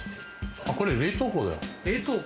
これ冷凍庫だよ。